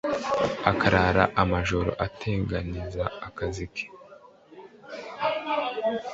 akarara amajoro atengeneza akazi ke